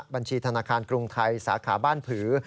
บัญชีธนาคารกรุงไทยสาขาบ้านผือ